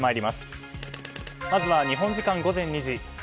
まずは日本時間午前２時。